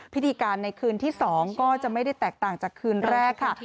พิธีการในคืนที่๒ก็จะไม่ได้แตกต่างจากคืนแรกค่ะ